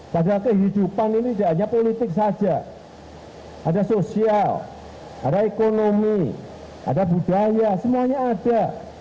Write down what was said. padahal kehidupan ini tidak hanya politik saja ada sosial ada ekonomi ada budaya semuanya ada